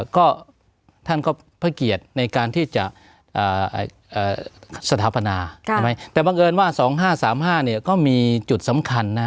ก็ท่านก็พระเกียรติในการที่จะสถาปนาใช่ไหมแต่บังเอิญว่า๒๕๓๕ก็มีจุดสำคัญ